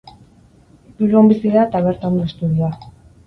Bilbon bizi da eta bertan du estudioa.